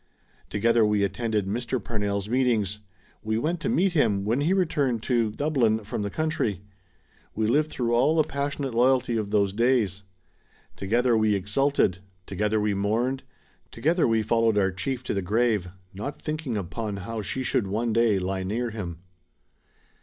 Together we attended Mr. Pamell's meetings; we went to meet him when he returned to N DORA SIGERSON Dublin from the country ; we Kved through all the pas sionate loyalty of those days. Together we exulted; together we mourned; together we followed our chief to the grave, not thinking upon how she should one day lie near him.